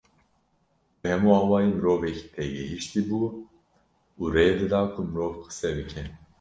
Bi hemû awayî mirovekî têgihiştî bû û rê dida ku mirov qise bike